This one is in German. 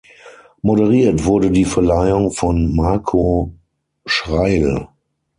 Moderiert wurde die Verleihung von Marco Schreyl.